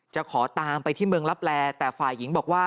จะขอตามไปที่เมืองลับแลแต่ฝ่ายหญิงบอกว่า